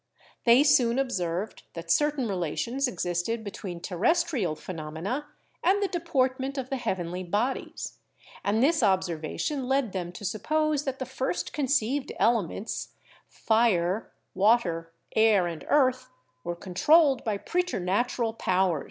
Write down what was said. They soon observed that cer tain relations existed between terrestrial phenomena and the deportment of the heavenly bodies, and this observa tion led them to suppose that the first conceived elements — fire, water, air and earth — were controlled by preternatural powers.